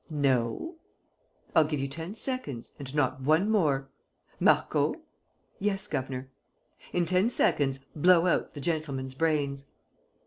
"No." "I'll give you ten seconds, and not one more. Marco!" "Yes, governor." "In ten seconds, blow out the gentleman's brains."